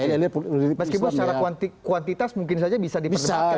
meskipun secara kuantitas mungkin saja bisa diperdebatkan